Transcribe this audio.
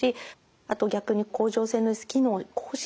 あと逆に甲状腺の機能亢進